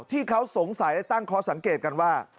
ที่เขาสงสัยและตั้งข้อสังเกตกันว่า